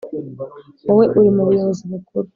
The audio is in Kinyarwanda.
Wowe uri mu buyobozi bukuru